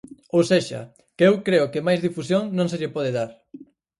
Ou sexa, que eu creo que máis difusión non se lle pode dar.